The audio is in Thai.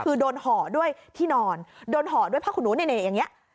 คือโดนห่อด้วยที่นอนโดนห่อด้วยผ้าขุนูเน่อย่างนี้